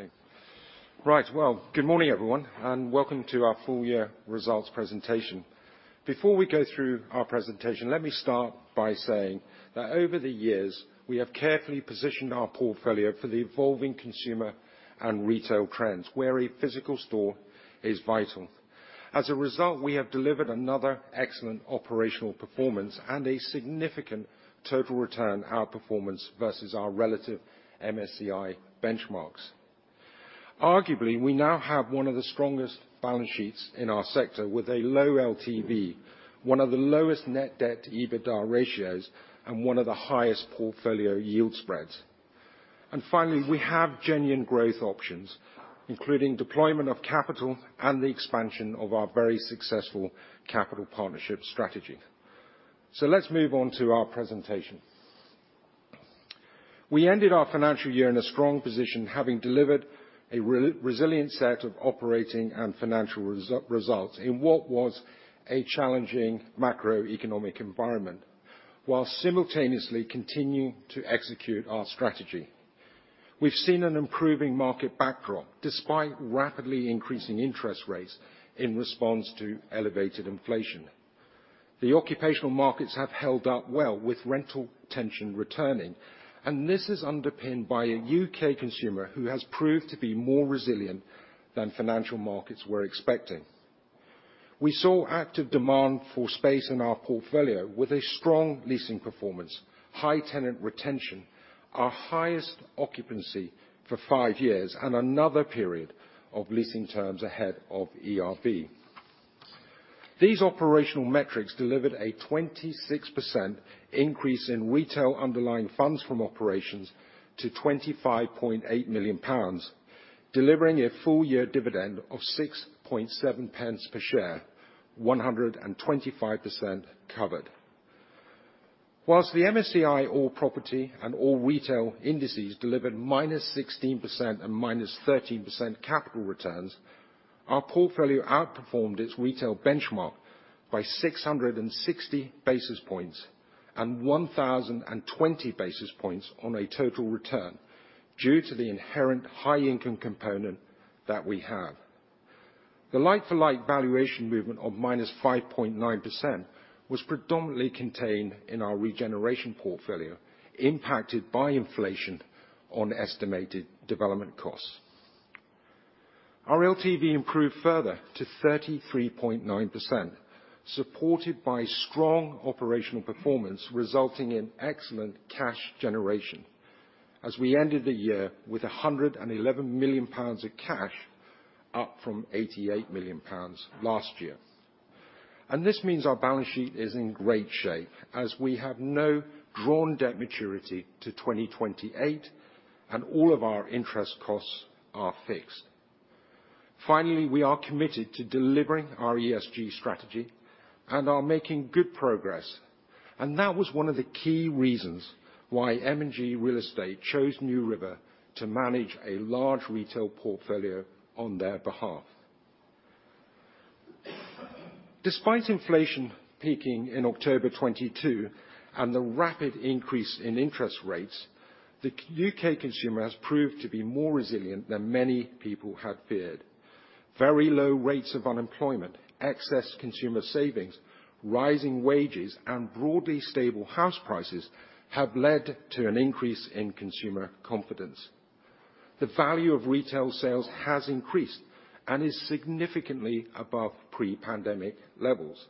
Okay. Right, well, good morning, everyone, and welcome to our full year results presentation. Before we go through our presentation, let me start by saying that over the years, we have carefully positioned our portfolio for the evolving consumer and retail trends, where a physical store is vital. As a result, we have delivered another excellent operational performance and a significant total return, our performance versus our relative MSCI benchmarks. Arguably, we now have one of the strongest balance sheets in our sector, with a low LTV, one of the lowest net debt to EBITDA ratios, and one of the highest portfolio yield spreads. Finally, we have genuine growth options, including deployment of capital and the expansion of our very successful capital partnership strategy. Let's move on to our presentation. We ended our financial year in a strong position, having delivered a resilient set of operating and financial results in what was a challenging macroeconomic environment, while simultaneously continuing to execute our strategy. We've seen an improving market backdrop, despite rapidly increasing interest rates in response to elevated inflation. The occupational markets have held up well with rental tension returning. This is underpinned by a UK consumer who has proved to be more resilient than financial markets were expecting. We saw active demand for space in our portfolio with a strong leasing performance, high tenant retention, our highest occupancy for five years, and another period of leasing terms ahead of ERV. These operational metrics delivered a 26% increase in retail underlying funds from operations to 25.8 million pounds, delivering a full year dividend of 6.7 pence per share, 125% covered. Whilst the MSCI all property and all retail indices delivered -16% and -13% capital returns, our portfolio outperformed its retail benchmark by 660 basis points and 1,020 basis points on a total return, due to the inherent high income component that we have. The like-for-like valuation movement of -5.9% was predominantly contained in our regeneration portfolio, impacted by inflation on estimated development costs. Our LTV improved further to 33.9%, supported by strong operational performance, resulting in excellent cash generation as we ended the year with 111 million pounds of cash, up from 88 million pounds last year. This means our balance sheet is in great shape as we have no drawn debt maturity to 2028, and all of our interest costs are fixed. Finally, we are committed to delivering our ESG strategy and are making good progress, and that was one of the key reasons why M&G Real Estate chose NewRiver to manage a large retail portfolio on their behalf. Despite inflation peaking in October 2022 and the rapid increase in interest rates, the UK consumer has proved to be more resilient than many people had feared. Very low rates of unemployment, excess consumer savings, rising wages, and broadly stable house prices have led to an increase in consumer confidence. The value of retail sales has increased and is significantly above pre-pandemic levels.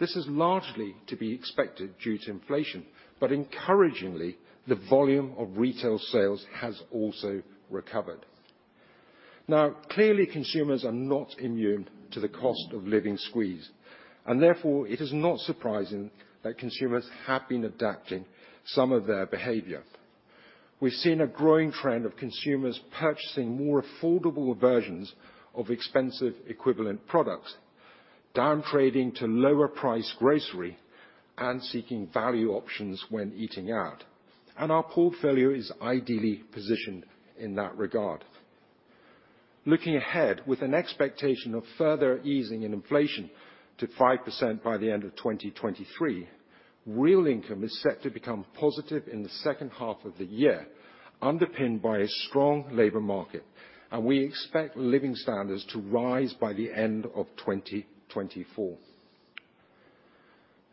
This is largely to be expected due to inflation. Encouragingly, the volume of retail sales has also recovered. Clearly, consumers are not immune to the cost-of-living squeeze. Therefore, it is not surprising that consumers have been adapting some of their behavior. We've seen a growing trend of consumers purchasing more affordable versions of expensive equivalent products, downtrading to lower price grocery, and seeking value options when eating out. Our portfolio is ideally positioned in that regard. Looking ahead, with an expectation of further easing in inflation to 5% by the end of 2023, real income is set to become positive in the second half of the year, underpinned by a strong labor market. We expect living standards to rise by the end of 2024.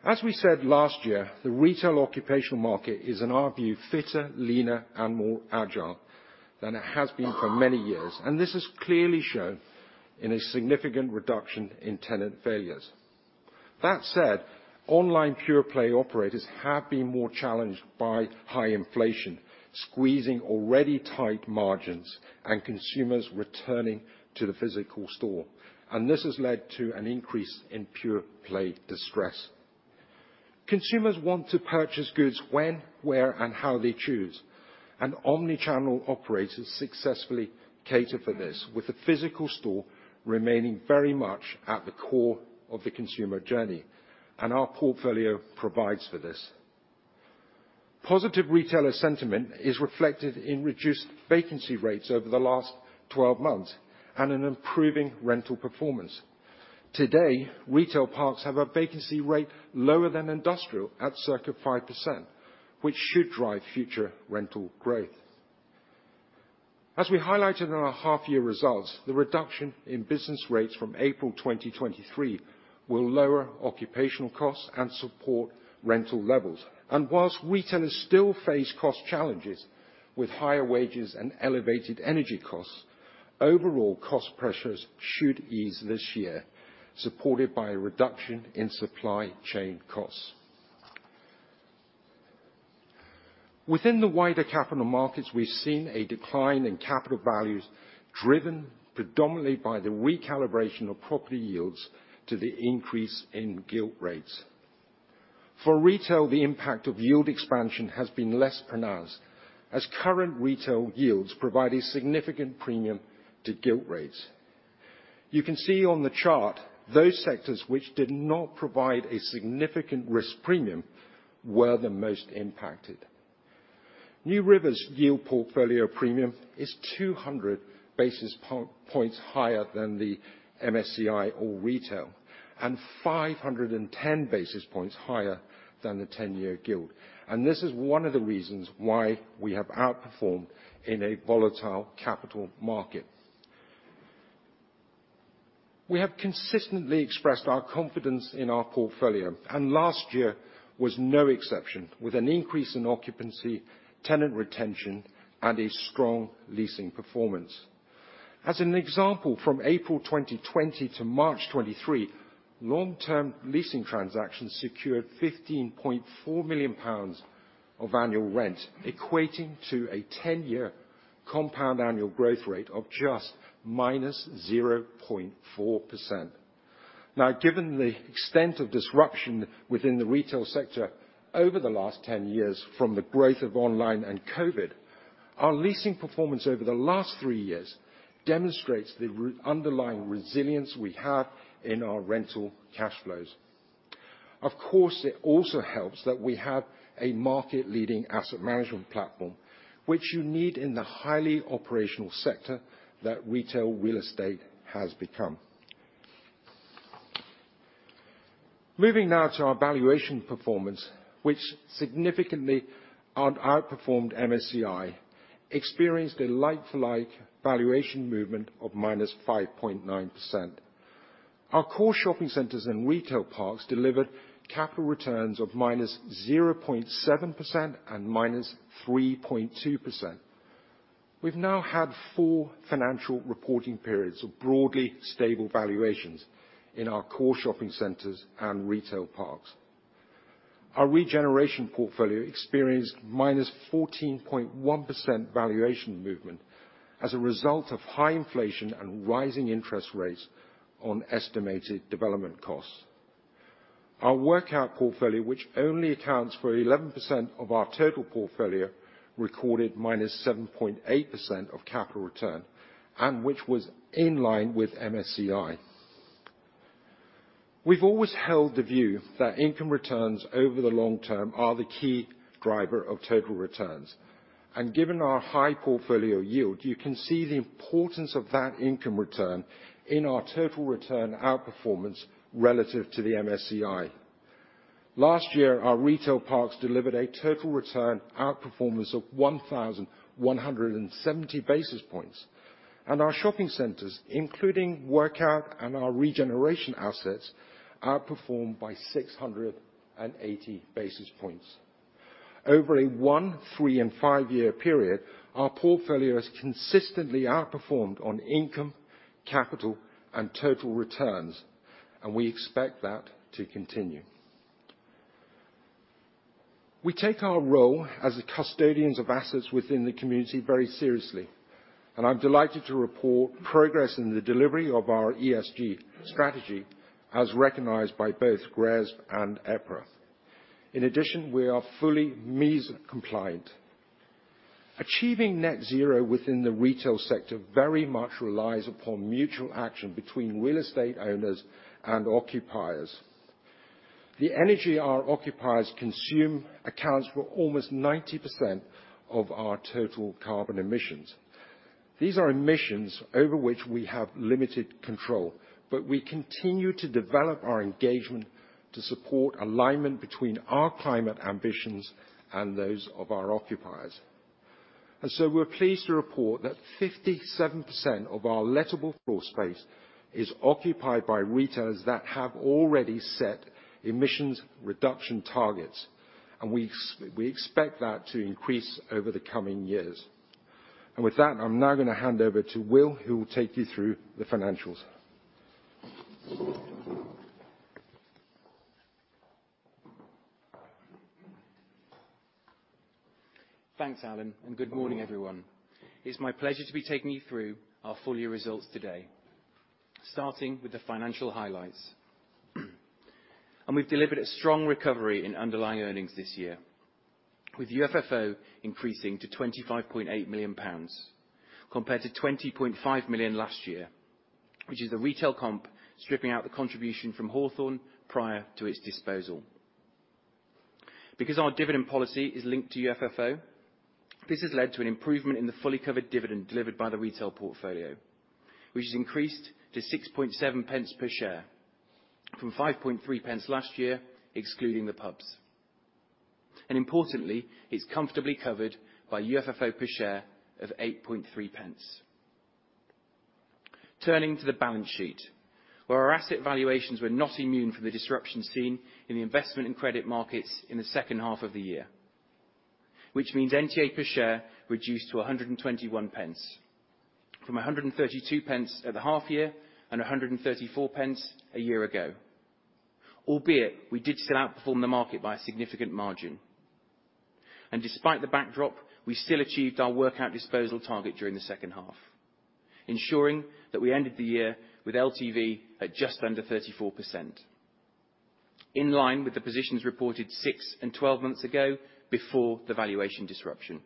As we said last year, the retail occupational market is, in our view, fitter, leaner, and more agile than it has been for many years. This is clearly shown in a significant reduction in tenant failures. That said, online pure-play operators have been more challenged by high inflation, squeezing already tight margins and consumers returning to the physical store. This has led to an increase in pure-play distress. Consumers want to purchase goods when, where, and how they choose, and omni-channel operators successfully cater for this, with the physical store remaining very much at the core of the consumer journey, and our portfolio provides for this. Positive retailer sentiment is reflected in reduced vacancy rates over the last 12 months and an improving rental performance. Today, retail parks have a vacancy rate lower than industrial, at circa 5%, which should drive future rental growth. As we highlighted in our half-year results, the reduction in business rates from April 2023 will lower occupational costs and support rental levels. While retailers still face cost challenges with higher wages and elevated energy costs, overall cost pressures should ease this year, supported by a reduction in supply chain costs. Within the wider capital markets, we've seen a decline in capital values, driven predominantly by the recalibration of property yields to the increase in gilt rates. For retail, the impact of yield expansion has been less pronounced, as current retail yields provide a significant premium to gilt rates. You can see on the chart, those sectors which did not provide a significant risk premium were the most impacted. NewRiver's yield portfolio premium is 200 basis points higher than the MSCI or retail, and 510 basis points higher than the 10-year gilt. This is one of the reasons why we have outperformed in a volatile capital market. We have consistently expressed our confidence in our portfolio, and last year was no exception, with an increase in occupancy, tenant retention, and a strong leasing performance. As an example, from April 2020 to March 2023, long-term leasing transactions secured 15.4 million pounds of annual rent, equating to a 10-year compound annual growth rate of just -0.4%. Given the extent of disruption within the retail sector over the last 10 years, from the growth of online and COVID, our leasing performance over the last 3 years demonstrates the underlying resilience we have in our rental cash flows. It also helps that we have a market-leading asset management platform, which you need in the highly operational sector that retail real estate has become. Moving now to our valuation performance, which significantly outperformed MSCI, experienced a like-for-like valuation movement of -5.9%. Our core shopping centers and retail parks delivered capital returns of -0.7% and -3.2%. We've now had four financial reporting periods of broadly stable valuations in our core shopping centers and retail parks. Our regeneration portfolio experienced -14.1% valuation movement as a result of high inflation and rising interest rates on estimated development costs. Our workout portfolio, which only accounts for 11% of our total portfolio, recorded -7.8% of capital return, which was in line with MSCI. We've always held the view that income returns over the long term are the key driver of total returns. Given our high portfolio yield, you can see the importance of that income return in our total return outperformance relative to the MSCI. Last year, our retail parks delivered a total return outperformance of 1,170 basis points, and our shopping centers, including workout and our regeneration assets, outperformed by 680 basis points. Over a one, three, and five-year period, our portfolio has consistently outperformed on income, capital, and total returns. We expect that to continue. We take our role as the custodians of assets within the community very seriously. I'm delighted to report progress in the delivery of our ESG strategy, as recognized by both GRESB and EPRA. In addition, we are fully MEES compliant. Achieving net zero within the retail sector very much relies upon mutual action between real estate owners and occupiers. The energy our occupiers consume accounts for almost 90% of our total carbon emissions. These are emissions over which we have limited control, but we continue to develop our engagement to support alignment between our climate ambitions and those of our occupiers. We're pleased to report that 57% of our lettable floor space is occupied by retailers that have already set emissions reduction targets, and we expect that to increase over the coming years. With that, I'm now gonna hand over to Will, who will take you through the financials. Thanks, Allan, good morning, everyone. It's my pleasure to be taking you through our full year results today, starting with the financial highlights. We've delivered a strong recovery in underlying earnings this year, with UFFO increasing to 25.8 million pounds compared to 20.5 million last year, which is the retail comp, stripping out the contribution from Hawthorn prior to its disposal. Because our dividend policy is linked to UFFO, this has led to an improvement in the fully covered dividend delivered by the retail portfolio, which has increased to 6.7 pence per share, from 5.3 pence last year, excluding the pubs. Importantly, it's comfortably covered by UFFO per share of 8.3 pence. Turning to the balance sheet, where our asset valuations were not immune from the disruption seen in the investment and credit markets in the second half of the year, which means NTA per share reduced to 1.21, from 1.32 at the half year and 1.34 a year ago. Albeit, we did still outperform the market by a significant margin, and despite the backdrop, we still achieved our workout disposal target during the second half, ensuring that we ended the year with LTV at just under 34%, in line with the positions reported 6 and 12 months ago before the valuation disruption,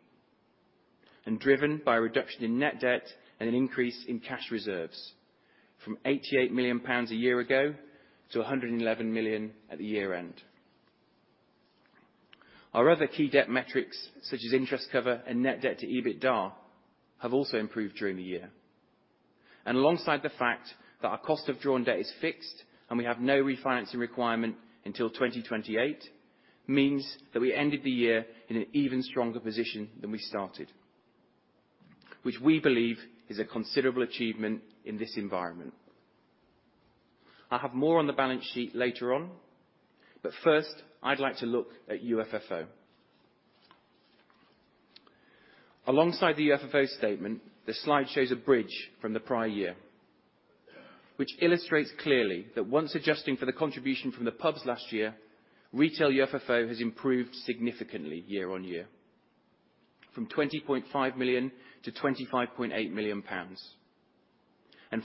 and driven by a reduction in net debt and an increase in cash reserves from 88 million pounds a year ago to 111 million at the year-end. Our other key debt metrics, such as interest cover and net debt to EBITDA, have also improved during the year. Alongside the fact that our cost of drawn debt is fixed and we have no refinancing requirement until 2028, means that we ended the year in an even stronger position than we started, which we believe is a considerable achievement in this environment. I'll have more on the balance sheet later on, but first, I'd like to look at UFFO. Alongside the UFFO statement, this slide shows a bridge from the prior year, which illustrates clearly that once adjusting for the contribution from the pubs last year, retail UFFO has improved significantly year on year, from 20.5 million to 25.8 million pounds.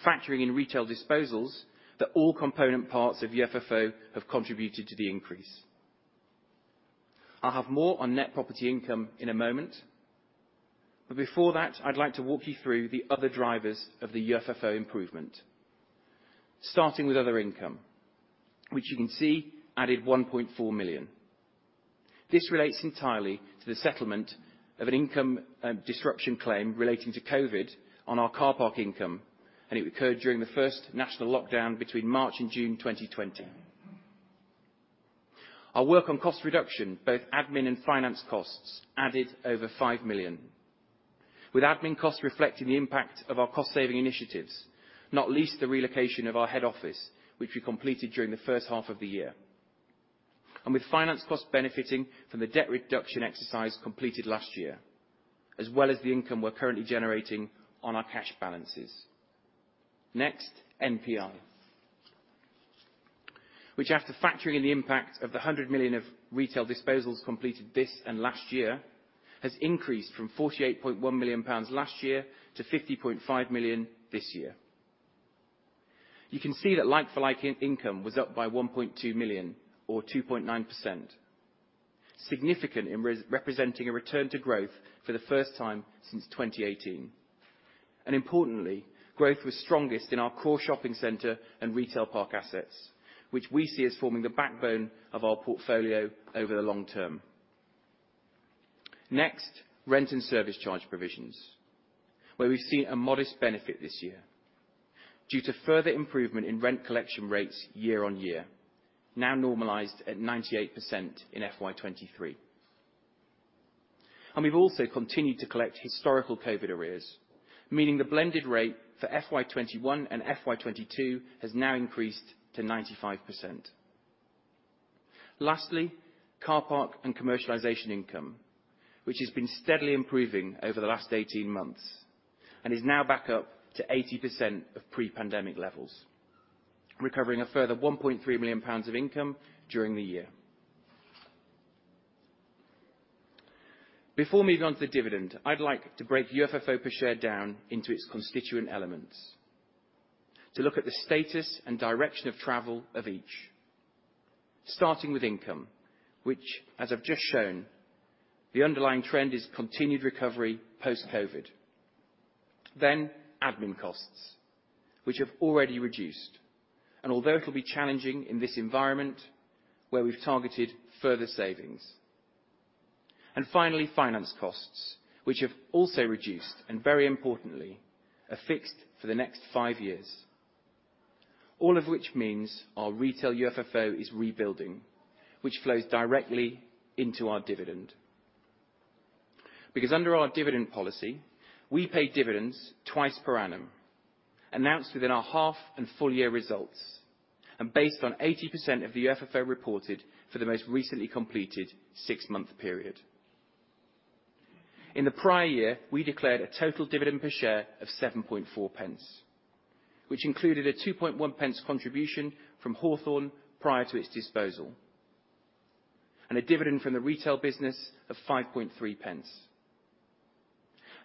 Factoring in retail disposals, that all component parts of UFFO have contributed to the increase. I'll have more on net property income in a moment, but before that, I'd like to walk you through the other drivers of the UFFO improvement. Starting with other income, which you can see added 1.4 million. This relates entirely to the settlement of an income disruption claim relating to COVID on our car park income, and it occurred during the first national lockdown between March and June 2020. Our work on cost reduction, both admin and finance costs, added over 5 million, with admin costs reflecting the impact of our cost-saving initiatives, not least the relocation of our head office, which we completed during the first half of the year. With finance costs benefiting from the debt reduction exercise completed last year, as well as the income we're currently generating on our cash balances. NPI, which, after factoring in the impact of 100 million of retail disposals completed this and last year, has increased from 48.1 million pounds last year to 50.5 million this year. You can see that like-for-like income was up by 1.2 million, or 2.9%, significant in representing a return to growth for the first time since 2018. Importantly, growth was strongest in our core shopping center and retail park assets, which we see as forming the backbone of our portfolio over the long term. Rent and service charge provisions, where we've seen a modest benefit this year due to further improvement in rent collection rates year on year, now normalized at 98% in FY23. We've also continued to collect historical COVID arrears, meaning the blended rate for FY21 and FY22 has now increased to 95%. Lastly, car park and commercialization income, which has been steadily improving over the last 18 months and is now back up to 80% of pre-pandemic levels, recovering a further 1.3 million pounds of income during the year. Before moving on to the dividend, I'd like to break UFFO per share down into its constituent elements, to look at the status and direction of travel of each. Starting with income, which, as I've just shown, the underlying trend is continued recovery post-COVID. Admin costs, which have already reduced, and although it'll be challenging in this environment, where we've targeted further savings. Finally, finance costs, which have also reduced, and very importantly, are fixed for the next 5 years. All of which means our retail UFFO is rebuilding, which flows directly into our dividend. Under our dividend policy, we pay dividends twice per annum, announced within our half and full year results, and based on 80% of the UFFO reported for the most recently completed 6-month period. In the prior year, we declared a total dividend per share of 7.4 pence, which included a 2.1 pence contribution from Hawthorn prior to its disposal, and a dividend from the retail business of 5.3 pence.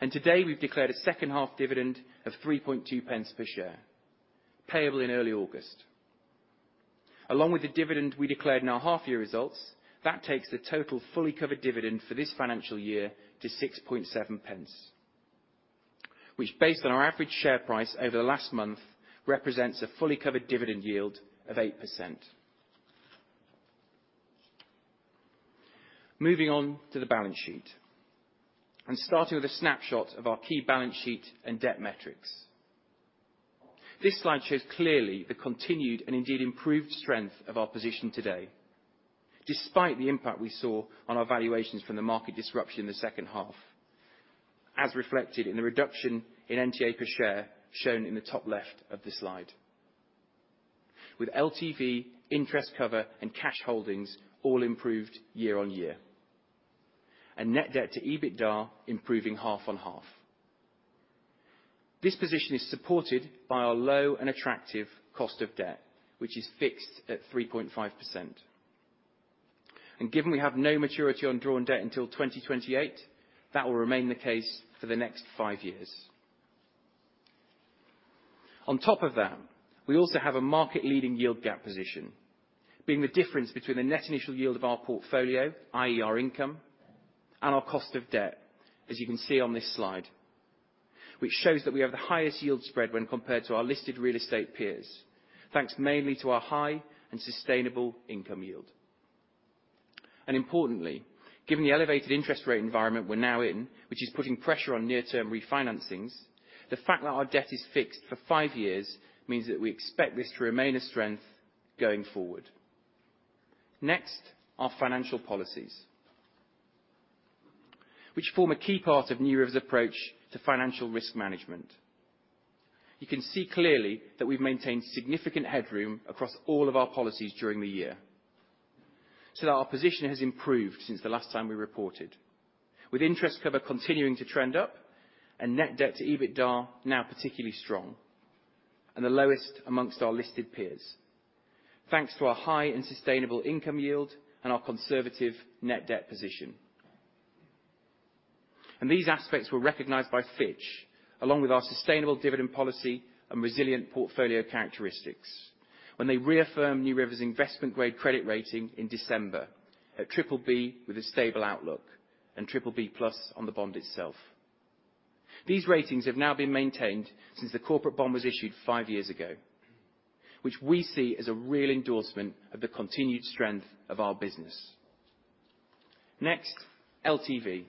Today, we've declared a second half dividend of 3.2 pence per share, payable in early August. Along with the dividend we declared in our half year results, that takes the total fully covered dividend for this financial year to 6.7 pence. which based on our average share price over the last month, represents a fully covered dividend yield of 8%. Moving on to the balance sheet, starting with a snapshot of our key balance sheet and debt metrics. This slide shows clearly the continued and indeed improved strength of our position today, despite the impact we saw on our valuations from the market disruption in the second half, as reflected in the reduction in NTA per share, shown in the top left of this slide. With LTV, interest cover, and cash holdings all improved year on year, and net debt to EBITDA improving half on half. This position is supported by our low and attractive cost of debt, which is fixed at 3.5%. Given we have no maturity on drawn debt until 2028, that will remain the case for the next five years. On top of that, we also have a market-leading yield gap position, being the difference between the net initial yield of our portfolio, i.e., our income, and our cost of debt, as you can see on this slide. We have the highest yield spread when compared to our listed real estate peers, thanks mainly to our high and sustainable income yield. Importantly, given the elevated interest rate environment we're now in, which is putting pressure on near-term refinancings, the fact that our debt is fixed for five years means that we expect this to remain a strength going forward. Next, our financial policies, which form a key part of NewRiver's approach to financial risk management. You can see clearly that we've maintained significant headroom across all of our policies during the year, so that our position has improved since the last time we reported, with interest cover continuing to trend up and net debt to EBITDA now particularly strong, and the lowest amongst our listed peers, thanks to our high and sustainable income yield and our conservative net debt position. These aspects were recognized by Fitch, along with our sustainable dividend policy and resilient portfolio characteristics, when they reaffirmed NewRiver's investment-grade credit rating in December, at BBB with a stable outlook and BBB+ on the bond itself. These ratings have now been maintained since the corporate bond was issued five years ago, which we see as a real endorsement of the continued strength of our business. Next, LTV.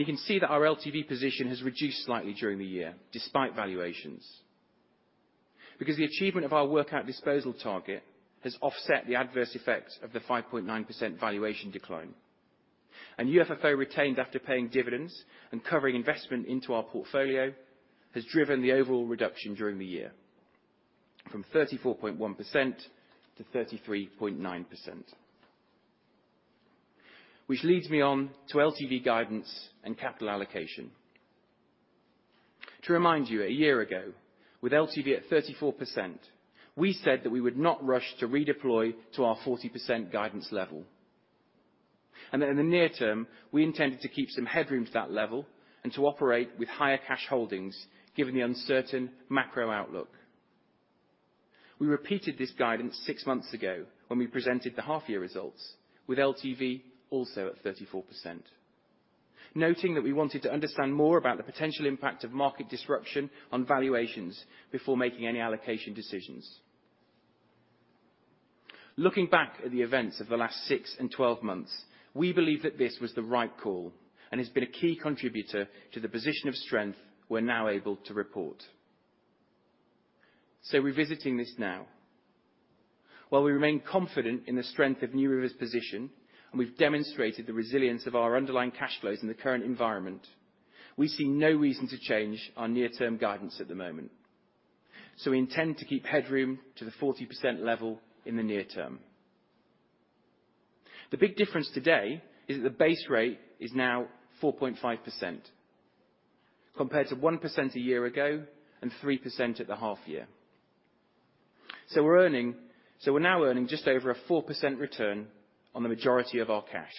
You can see that our LTV position has reduced slightly during the year, despite valuations, because the achievement of our workout disposal target has offset the adverse effects of the 5.9% valuation decline. UFFO retained after paying dividends and covering investment into our portfolio, has driven the overall reduction during the year from 34.1% to 33.9%. Leads me on to LTV guidance and capital allocation. To remind you, 1 year ago, with LTV at 34%, we said that we would not rush to redeploy to our 40% guidance level, and that in the near term, we intended to keep some headroom to that level and to operate with higher cash holdings, given the uncertain macro outlook. We repeated this guidance 6 months ago when we presented the half-year results, with LTV also at 34%, noting that we wanted to understand more about the potential impact of market disruption on valuations before making any allocation decisions. Looking back at the events of the last 6 and 12 months, we believe that this was the right call and has been a key contributor to the position of strength we're now able to report. Revisiting this now, while we remain confident in the strength of NewRiver's position, and we've demonstrated the resilience of our underlying cash flows in the current environment, we see no reason to change our near-term guidance at the moment. We intend to keep headroom to the 40% level in the near term. The big difference today is that the base rate is now 4.5%, compared to 1% a year ago and 3% at the half year. We're now earning just over a 4% return on the majority of our cash.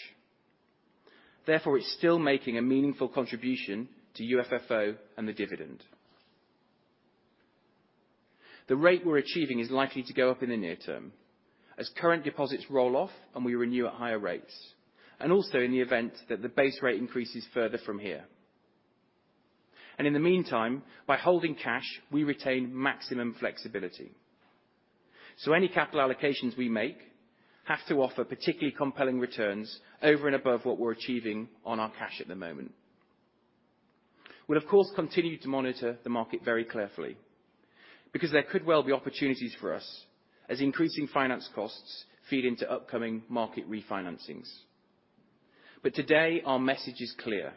Therefore, it's still making a meaningful contribution to UFFO and the dividend. The rate we're achieving is likely to go up in the near term as current deposits roll off and we renew at higher rates, and also in the event that the base rate increases further from here. In the meantime, by holding cash, we retain maximum flexibility. Any capital allocations we make have to offer particularly compelling returns over and above what we're achieving on our cash at the moment. We'll, of course, continue to monitor the market very carefully. There could well be opportunities for us as increasing finance costs feed into upcoming market refinancings. Today, our message is clear.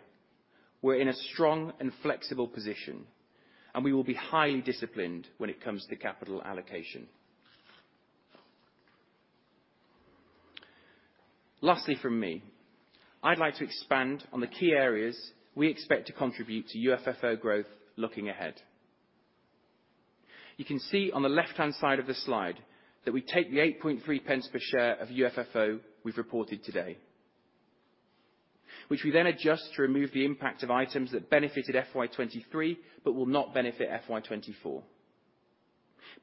We're in a strong and flexible position, and we will be highly disciplined when it comes to capital allocation. Lastly, from me, I'd like to expand on the key areas we expect to contribute to UFFO growth looking ahead. You can see on the left-hand side of the slide that we take the 0.083 per share of UFFO we've reported today, which we then adjust to remove the impact of items that benefited FY23, but will not benefit FY24.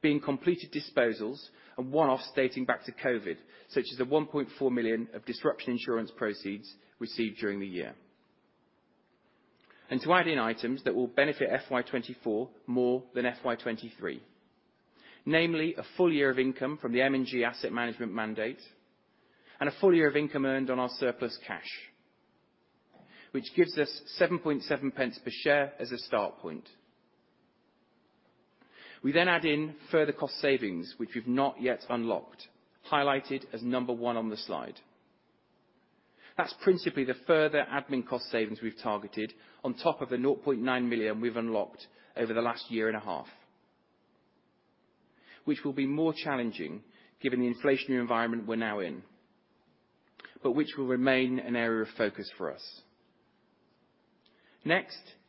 Being completed disposals and one-offs dating back to COVID, such as the 1.4 million of disruption insurance proceeds received during the year. To add in items that will benefit FY24 more than FY23, namely, a full year of income from the M&G Real Estate mandate, and a full year of income earned on our surplus cash, which gives us 7.7 pence per share as a start point. We add in further cost savings, which we've not yet unlocked, highlighted as number one on the slide. That's principally the further admin cost savings we've targeted on top of the 0.9 million we've unlocked over the last year and a half, which will be more challenging given the inflationary environment we're now in, but which will remain an area of focus for us.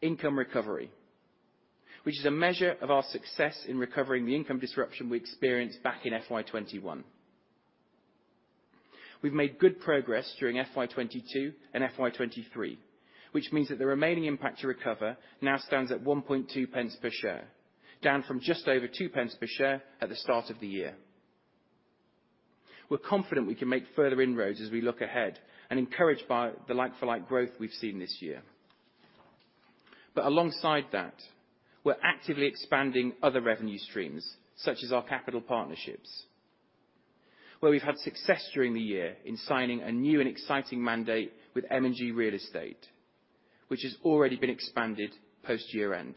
Income recovery, which is a measure of our success in recovering the income disruption we experienced back in FY21. We've made good progress during FY22 and FY23, which means that the remaining impact to recover now stands at 1.2 pence per share, down from just over 2 pence per share at the start of the year. We're confident we can make further inroads as we look ahead and encouraged by the like-for-like growth we've seen this year. Alongside that, we're actively expanding other revenue streams, such as our capital partnerships, where we've had success during the year in signing a new and exciting mandate with M&G Real Estate, which has already been expanded post-year-end.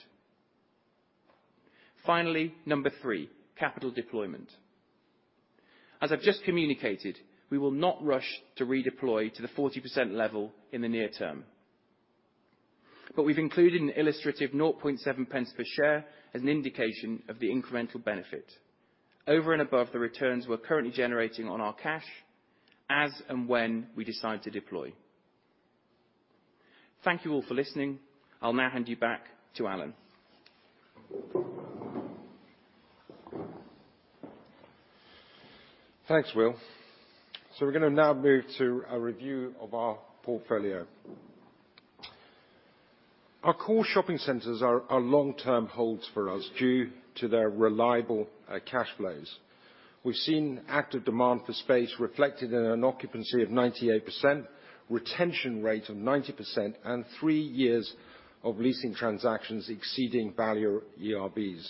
Finally, number 3, capital deployment. As I've just communicated, we will not rush to redeploy to the 40% level in the near term, but we've included an illustrative 0.7 pence per share as an indication of the incremental benefit over and above the returns we're currently generating on our cash as and when we decide to deploy. Thank you all for listening. I'll now hand you back to Allan. Thanks, Will. We're gonna now move to a review of our portfolio. Our core shopping centers are long-term holds for us due to their reliable cash flows. We've seen active demand for space reflected in an occupancy of 98%, retention rate of 90%, and 3 years of leasing transactions exceeding value ERVs.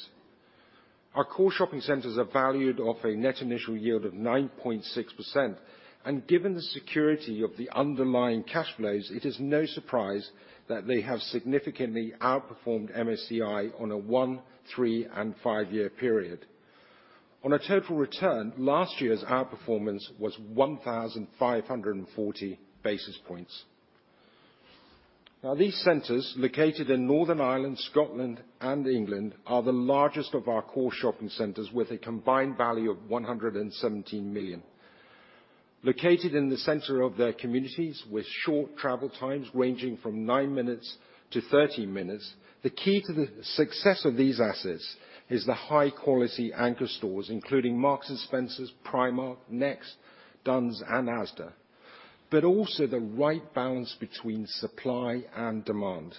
Our core shopping centers are valued off a net initial yield of 9.6%, and given the security of the underlying cash flows, it is no surprise that they have significantly outperformed MSCI on a 1, 3, and 5-year period. On a total return, last year's outperformance was 1,540 basis points. These centers, located in Northern Ireland, Scotland, and England, are the largest of our core shopping centers, with a combined value of 117 million. Located in the center of their communities, with short travel times ranging from 9 minutes to 13 minutes, the key to the success of these assets is the high-quality anchor stores, including Marks & Spencer, Primark, Next, Dunnes Stores, and Asda, but also the right balance between supply and demand.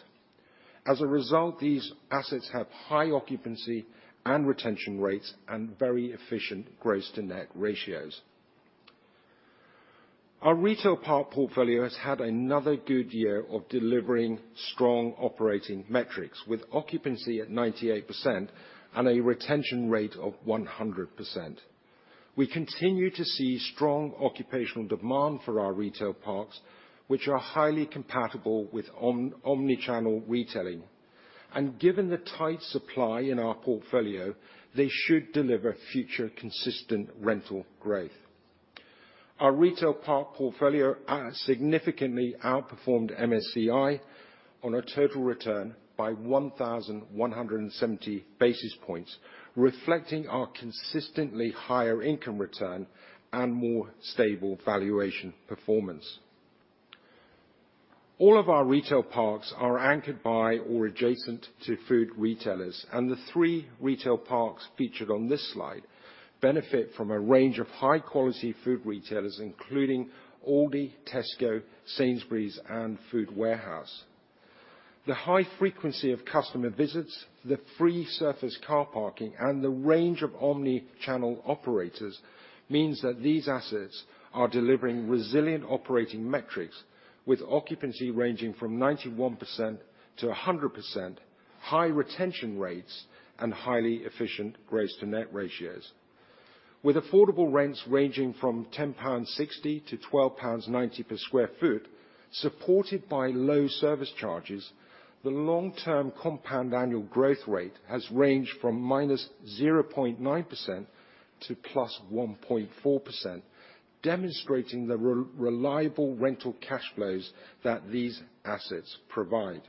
As a result, these assets have high occupancy and retention rates and very efficient gross to net ratios. Our retail park portfolio has had another good year of delivering strong operating metrics, with occupancy at 98% and a retention rate of 100%. We continue to see strong occupational demand for our retail parks, which are highly compatible with omni-channel retailing. Given the tight supply in our portfolio, they should deliver future consistent rental growth. Our retail park portfolio significantly outperformed MSCI on a total return by 1,170 basis points, reflecting our consistently higher income return and more stable valuation performance. All of our retail parks are anchored by or adjacent to food retailers. The three retail parks featured on this slide benefit from a range of high-quality food retailers, including Aldi, Tesco, Sainsbury's, and The Food Warehouse. The high frequency of customer visits, the free surface car parking, and the range of omni-channel operators means that these assets are delivering resilient operating metrics with occupancy ranging from 91%-100%, high retention rates, and highly efficient gross to net ratios. With affordable rents ranging from 10.60 pounds to 12.90 pounds per sq ft, supported by low service charges, the long-term compound annual growth rate has ranged from -0.9% to +1.4%, demonstrating the reliable rental cash flows that these assets provide.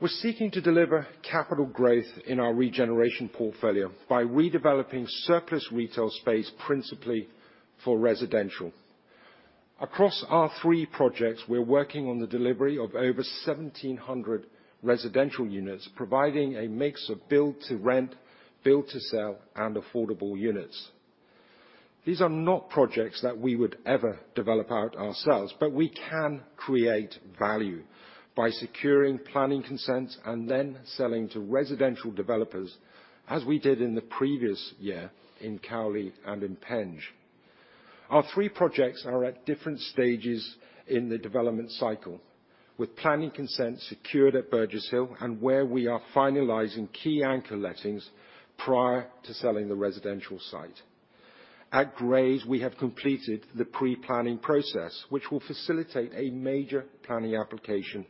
We're seeking to deliver capital growth in our regeneration portfolio by redeveloping surplus retail space, principally for residential. Across our three projects, we're working on the delivery of over 1,700 residential units, providing a mix of build to rent, build to sell, and affordable units.... These are not projects that we would ever develop out ourselves, but we can create value by securing planning consents and then selling to residential developers, as we did in the previous year in Cowley and in Penge. Our three projects are at different stages in the development cycle, with planning consent secured at Burgess Hill, and where we are finalizing key anchor lettings prior to selling the residential site. At Grays, we have completed the pre-planning process, which will facilitate a major planning application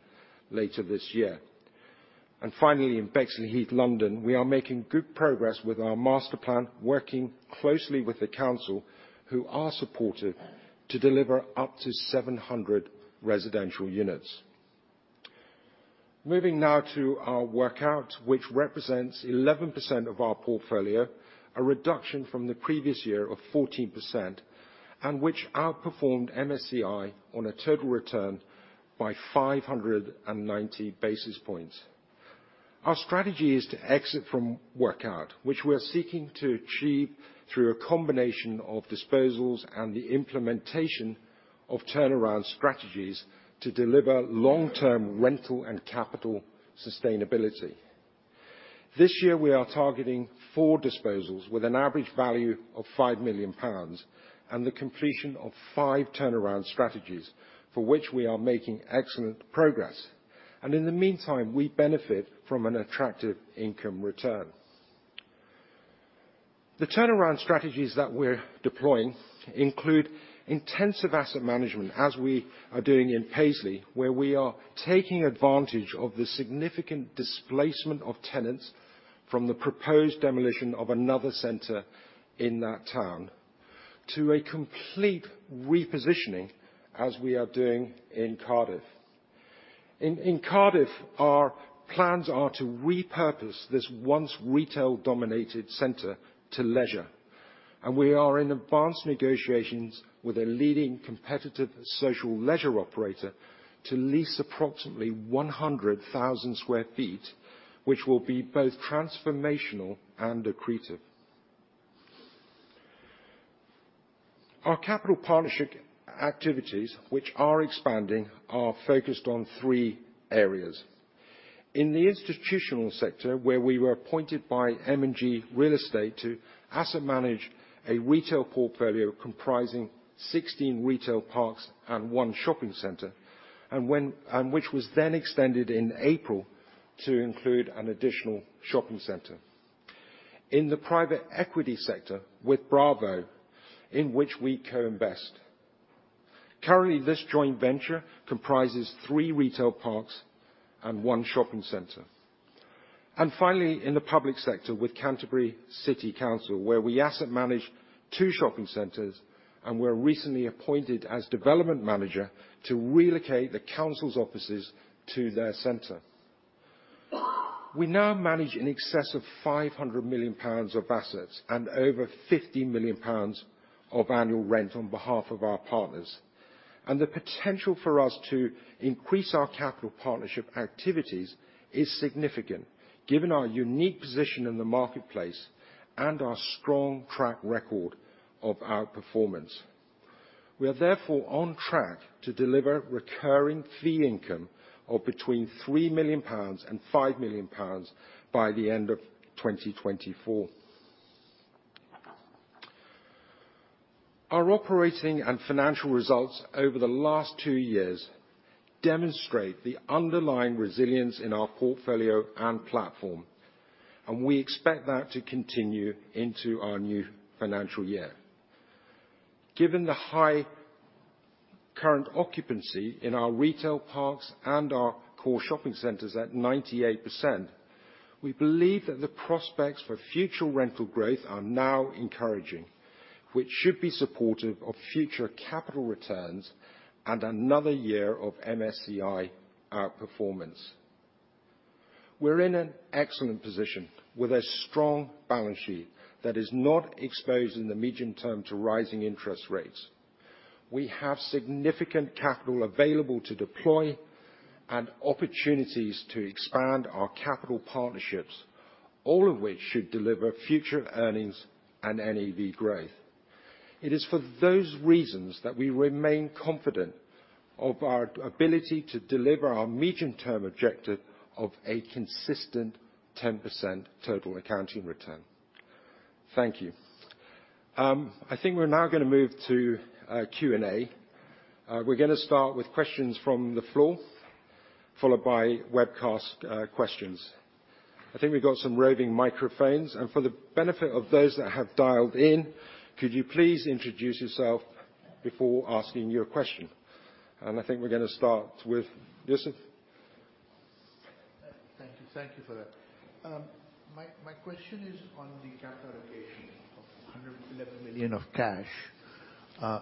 later this year. Finally, in Bexleyheath, London, we are making good progress with our master plan, working closely with the council, who are supportive, to deliver up to 700 residential units. Moving now to our workout, which represents 11% of our portfolio, a reduction from the previous year of 14%, and which outperformed MSCI on a total return by 590 basis points. Our strategy is to exit from workout, which we are seeking to achieve through a combination of disposals and the implementation of turnaround strategies to deliver long-term rental and capital sustainability. This year, we are targeting 4 disposals with an average value of 5 million pounds, and the completion of 5 turnaround strategies, for which we are making excellent progress. In the meantime, we benefit from an attractive income return. The turnaround strategies that we're deploying include intensive asset management, as we are doing in Paisley, where we are taking advantage of the significant displacement of tenants from the proposed demolition of another center in that town, to a complete repositioning, as we are doing in Cardiff. In Cardiff, our plans are to repurpose this once retail-dominated center to leisure, and we are in advanced negotiations with a leading competitive social leisure operator to lease approximately 100,000 sq ft, which will be both transformational and accretive. Our capital partnership activities, which are expanding, are focused on 3 areas. In the institutional sector, where we were appointed by M&G Real Estate to asset manage a retail portfolio comprising 16 retail parks and one shopping center, and which was then extended in April to include an additional one shopping center. In the private equity sector with BRAVO, in which we co-invest. Currently, this joint venture comprises three retail parks and one shopping center. Finally, in the public sector with Canterbury City Council, where we asset manage two shopping centers, and we're recently appointed as development manager to relocate the council's offices to their center. We now manage in excess of 500 million pounds of assets and over 50 million pounds of annual rent on behalf of our partners, the potential for us to increase our capital partnership activities is significant, given our unique position in the marketplace and our strong track record of outperformance. We are therefore on track to deliver recurring fee income of between 3 million pounds and 5 million pounds by the end of 2024. Our operating and financial results over the last two years demonstrate the underlying resilience in our portfolio and platform, and we expect that to continue into our new financial year. Given the high current occupancy in our retail parks and our core shopping centers at 98%, we believe that the prospects for future rental growth are now encouraging, which should be supportive of future capital returns and another year of MSCI outperformance. We're in an excellent position with a strong balance sheet that is not exposed in the medium term to rising interest rates. We have significant capital available to deploy and opportunities to expand our capital partnerships, all of which should deliver future earnings and NAV growth. It is for those reasons that we remain confident of our ability to deliver our medium-term objective of a consistent 10% total accounting return. Thank you. I think we're now going to move to Q&A. We're going to start with questions from the floor, followed by webcast questions. I think we've got some roving microphones, and for the benefit of those that have dialed in, could you please introduce yourself before asking your question? I think we're going to start with Yusuf. Thank you. Thank you for that. My question is on the capital allocation of 111 million of cash,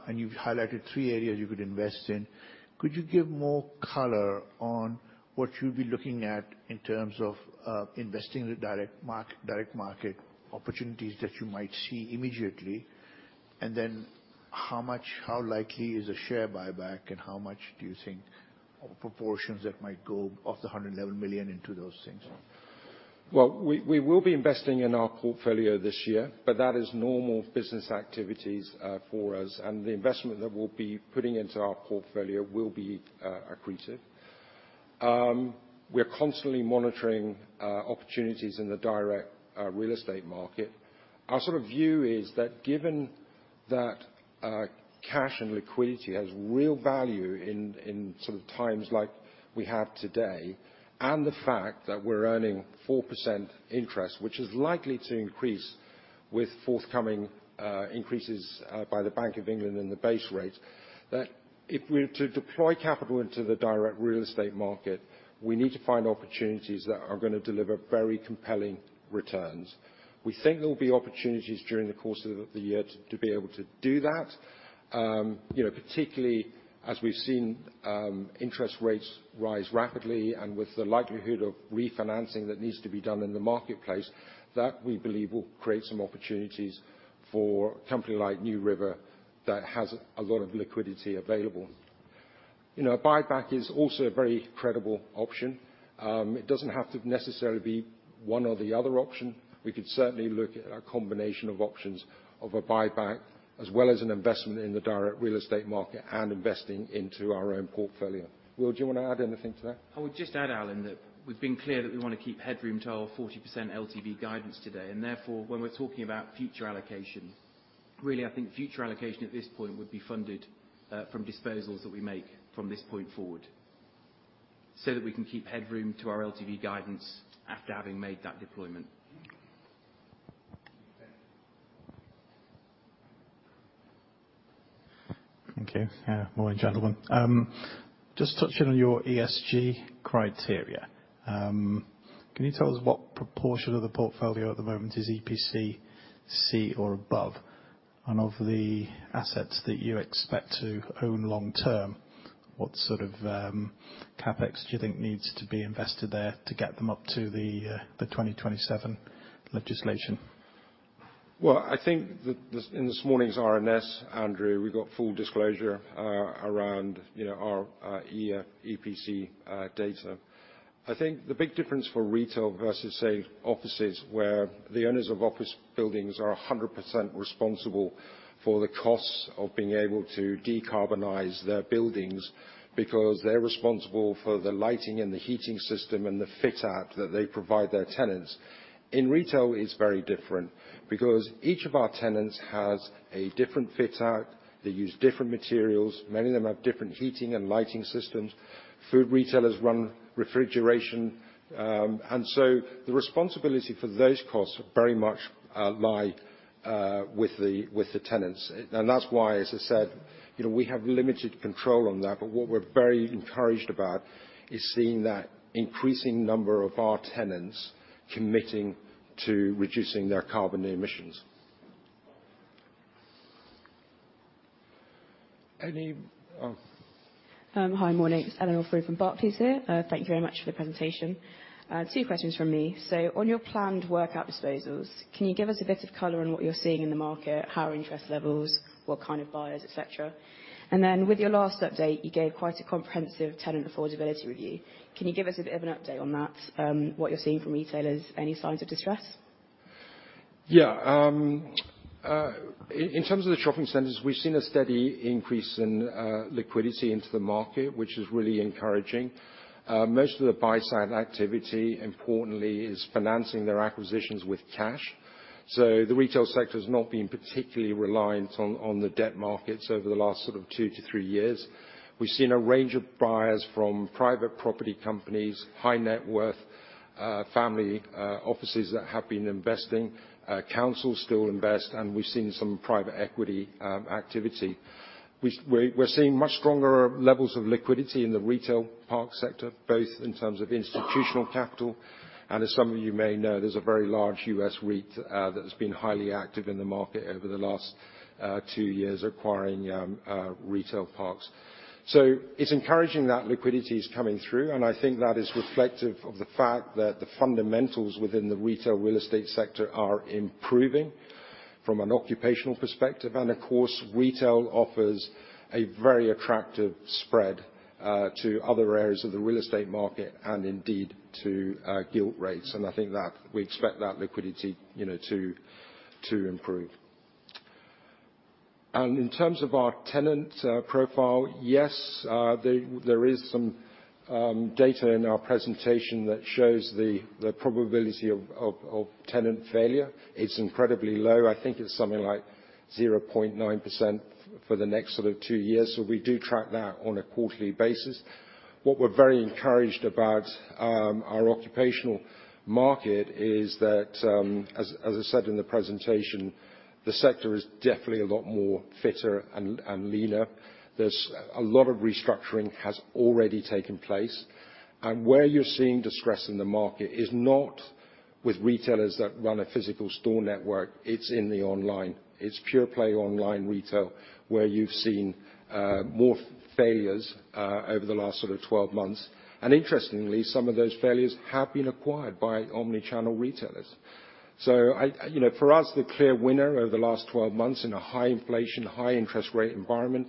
and you've highlighted three areas you could invest in. Could you give more color on what you'd be looking at in terms of investing in the direct market opportunities that you might see immediately? How likely is a share buyback, and how much do you think, or proportions that might go of the 111 million into those things? Well, we will be investing in our portfolio this year, but that is normal business activities for us, and the investment that we'll be putting into our portfolio will be accretive. We're constantly monitoring opportunities in the direct real estate market. Our sort of view is that given that cash and liquidity has real value in sort of times like we have today, and the fact that we're earning 4% interest, which is likely to increase with forthcoming increases by the Bank of England and the base rate, that if we're to deploy capital into the direct real estate market, we need to find opportunities that are gonna deliver very compelling returns. We think there'll be opportunities during the course of the year to be able to do that. you know, particularly as we've seen, interest rates rise rapidly and with the likelihood of refinancing that needs to be done in the marketplace, that we believe will create some opportunities for a company like NewRiver, that has a lot of liquidity available. You know, a buyback is also a very credible option. it doesn't have to necessarily be one or the other option. We could certainly look at a combination of options of a buyback, as well as an investment in the direct real estate market and investing into our own portfolio. Will, do you want to add anything to that? I would just add, Allan, that we've been clear that we want to keep headroom to our 40% LTV guidance today, and therefore, when we're talking about future allocation, really, I think future allocation at this point would be funded, from disposals that we make from this point forward, so that we can keep headroom to our LTV guidance after having made that deployment. Thank you. Morning, gentlemen. Just touching on your ESG criteria, can you tell us what proportion of the portfolio at the moment is EPC-C or above? Of the assets that you expect to own long term, what sort of CapEx do you think needs to be invested there to get them up to the 2027 legislation? I think that the, in this morning's RNS, Andrew, we got full disclosure, around, you know, our EPC data. I think the big difference for retail versus, say, offices, where the owners of office buildings are 100% responsible for the costs of being able to decarbonize their buildings, because they're responsible for the lighting and the heating system and the fit out that they provide their tenants. In retail, it's very different, because each of our tenants has a different fit out, they use different materials, many of them have different heating and lighting systems. Food retailers run refrigeration, the responsibility for those costs very much lie with the tenants. That's why, as I said, you know, we have limited control on that, but what we're very encouraged about is seeing that increasing number of our tenants committing to reducing their carbon emissions. Hi. Morning. It's Eleanor Free from Barclays here. Thank you very much for the presentation. Two questions from me. On your planned workout disposals, can you give us a bit of color on what you're seeing in the market? How are interest levels, what kind of buyers, et cetera? With your last update, you gave quite a comprehensive tenant affordability review. Can you give us a bit of an update on that, what you're seeing from retailers? Any signs of distress? Yeah. In terms of the shopping centers, we've seen a steady increase in liquidity into the market, which is really encouraging. Most of the buy-side activity, importantly, is financing their acquisitions with cash, the retail sector's not been particularly reliant on the debt markets over the last sort of 2-3 years. We've seen a range of buyers, from private property companies, high net worth family offices that have been investing, councils still invest, we've seen some private equity activity. We're seeing much stronger levels of liquidity in the retail park sector, both in terms of institutional capital, as some of you may know, there's a very large US REIT that has been highly active in the market over the last 2 years, acquiring retail parks. It's encouraging that liquidity is coming through, I think that is reflective of the fact that the fundamentals within the retail real estate sector are improving from an occupational perspective. Of course, retail offers a very attractive spread to other areas of the real estate market and indeed to gilt rates. I think that we expect that liquidity, you know, to improve. In terms of our tenant profile, yes, there is some data in our presentation that shows the probability of tenant failure. It's incredibly low. I think it's something like 0.9% for the next sort of two years. We do track that on a quarterly basis. What we're very encouraged about, our occupational market is that, as I said in the presentation, the sector is definitely a lot more fitter and leaner. There's a lot of restructuring has already taken place, where you're seeing distress in the market is not with retailers that run a physical store network, it's in the online. It's pure play online retail, where you've seen more failures over the last 12 months. Interestingly, some of those failures have been acquired by omni-channel retailers. I, you know, for us, the clear winner over the last 12 months in a high inflation, high interest rate environment,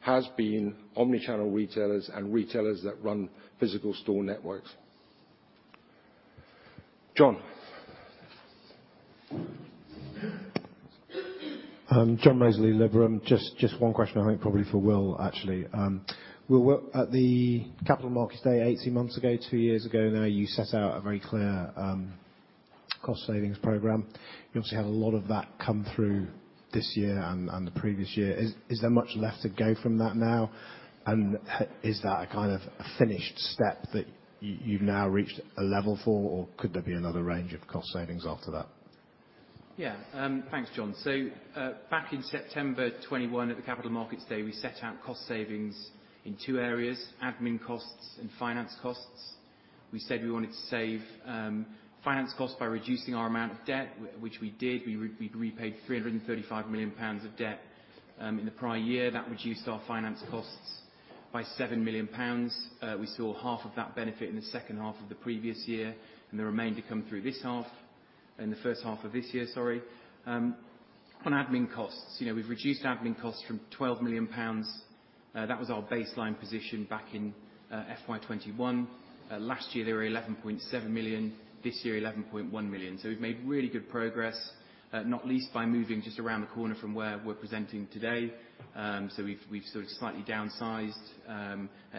has been omni-channel retailers and retailers that run physical store networks. John? John Mozley, Liberum. Just one question, I think probably for Will, actually. Will, at the Capital Markets Day, 18 months ago, 2 years ago now, you set out a very clear, cost savings program. You obviously had a lot of that come through this year and the previous year. Is there much left to go from that now? Is that a kind of a finished step that you've now reached a level for, or could there be another range of cost savings after that? Yeah. Thanks, John. Back in September 2021, at the Capital Markets Day, we set out cost savings in two areas: admin costs and finance costs. We said we wanted to save finance costs by reducing our amount of debt, which we did. We repaid 335 million pounds of debt in the prior year. That reduced our finance costs by 7 million pounds. We saw half of that benefit in the second half of the previous year, and the remainder come through this half, in the first half of this year. On admin costs, you know, we've reduced admin costs from 12 million pounds. That was our baseline position back in FY21. Last year, they were 11.7 million. This year, 11.1 million. We've made really good progress, not least by moving just around the corner from where we're presenting today. We've sort of slightly downsized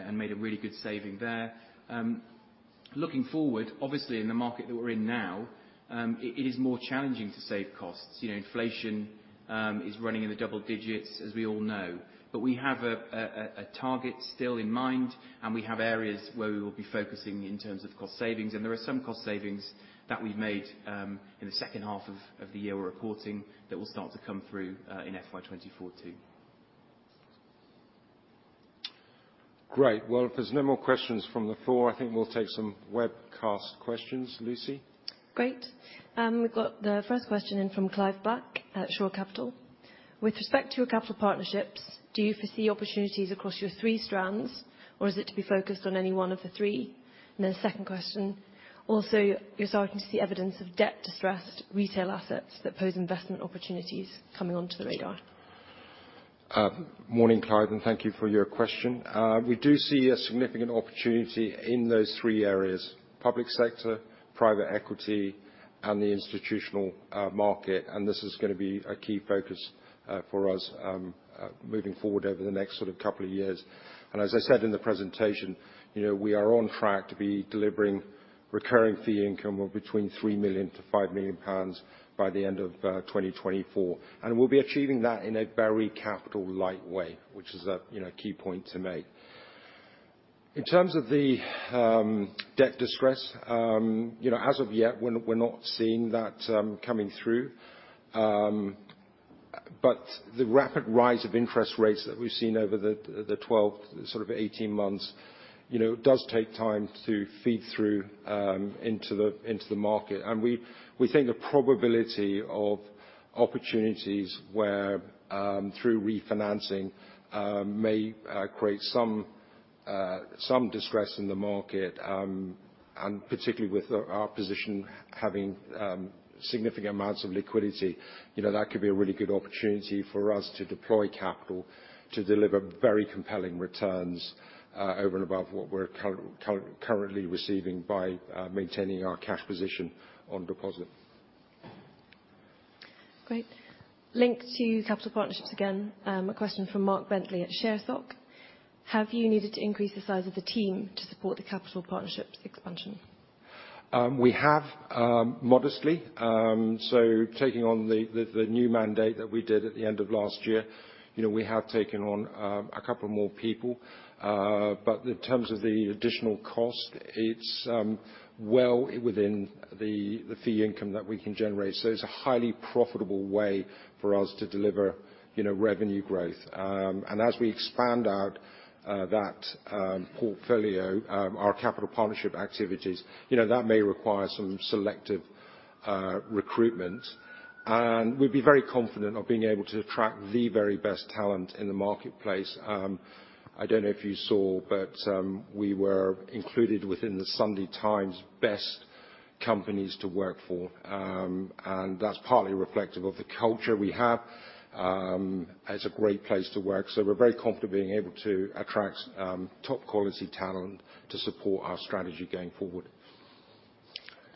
and made a really good saving there. Looking forward, obviously, in the market that we're in now, it is more challenging to save costs. You know, inflation is running in the double digits, as we all know. We have a target still in mind, and we have areas where we will be focusing in terms of cost savings, and there are some cost savings that we've made in the second half of the year we're reporting, that will start to come through in FY24 too. Great. Well, if there's no more questions from the floor, I think we'll take some webcast questions. Lucy? Great. We've got the first question in from Clive Black at Shore Capital. With respect to your capital partnerships, do you foresee opportunities across your three strands, or is it to be focused on any one of the three? Second question: you're starting to see evidence of debt-distressed retail assets that pose investment opportunities coming onto the radar. Morning, Clive, thank you for your question. We do see a significant opportunity in those three areas: public sector, private equity, and the institutional market, this is gonna be a key focus for us moving forward over the next sort of couple of years. As I said in the presentation, you know, we are on track to be delivering recurring fee income of between 3 million-5 million pounds by the end of 2024. We'll be achieving that in a very capital-light way, which is a, you know, key point to make. In terms of the debt distress, you know, as of yet, we're not seeing that coming through. The rapid rise of interest rates that we've seen over the 12, sort of 18 months, you know, does take time to feed through into the market. We think the probability of opportunities where through refinancing may create some distress in the market, and particularly with our position, having significant amounts of liquidity, you know, that could be a really good opportunity for us to deploy capital to deliver very compelling returns over and above what we're currently receiving by maintaining our cash position on deposit. Great. Linked to capital partnerships again, a question from Mark Bentley at ShareSoc. Have you needed to increase the size of the team to support the capital partnerships expansion? We have modestly. Taking on the new mandate that we did at the end of last year, you know, we have taken on 2 more people. In terms of the additional cost, it's well within the fee income that we can generate. It's a highly profitable way for us to deliver, you know, revenue growth. As we expand out that portfolio, our capital partnership activities, you know, that may require some selective recruitment. We'd be very confident of being able to attract the very best talent in the marketplace. I don't know if you saw, but we were included within the Sunday Times Best Companies to Work For. That's partly reflective of the culture we have. It's a great place to work, so we're very confident being able to attract top-quality talent to support our strategy going forward.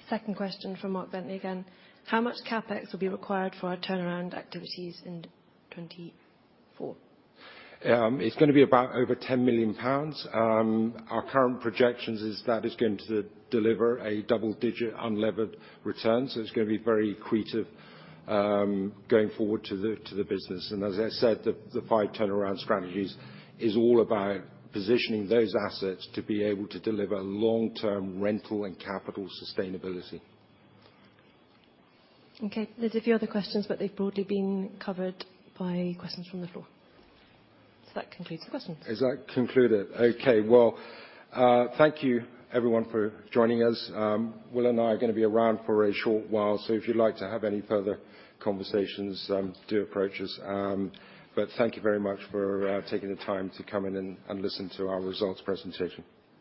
Second question from Mark Bentley again: How much CapEx will be required for our turnaround activities in 2024? It's gonna be about over 10 million pounds. Our current projections is that it's going to deliver a double-digit unlevered return, so it's gonna be very accretive, going forward to the business. As I said, the five turnaround strategies is all about positioning those assets to be able to deliver long-term rental and capital sustainability. Okay. There's a few other questions, but they've broadly been covered by questions from the floor. That concludes the questions. Has that concluded? Okay. Well, thank you everyone for joining us. Will and I are gonna be around for a short while, so if you'd like to have any further conversations, do approach us. Thank you very much for taking the time to come in and listen to our results presentation.